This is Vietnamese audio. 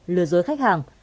lừa dối khách hàng